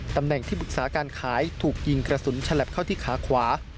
ตำแหน่งที่ปรึกษาการขายถูกยิงกระสุนฉลับเข้าที่ขาขวา